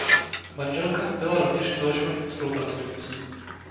Manželka mu byla rovněž celoživotní spolupracovnicí.